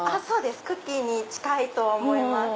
クッキーに近いと思います。